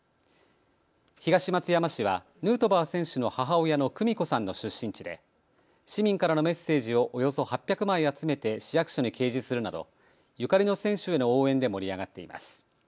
東松山市はヌートバー選手の母親の久美子さんの出身地で市民からのメッセージをおよそ８００枚集めて市役所に掲示するなどゆかりの選手への応援で盛り上がっています。